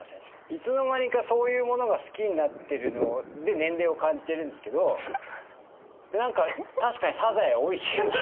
いつの間にかそういうものが好きになってるので年齢を感じてるんですけど何か確かにサザエおいしいもんな。